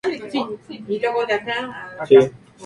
El gen "Spl" es dominante.